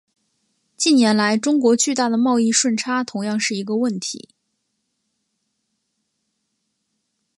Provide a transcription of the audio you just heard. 近年来中国巨大的贸易顺差同样是一个问题。